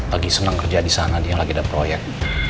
lagi senang kerja di sana dia lagi ada proyek